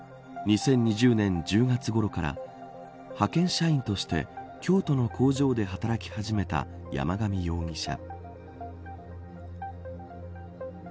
２０２０年１０月ごろから派遣社員として京都の工場で働き始めた山上容疑者。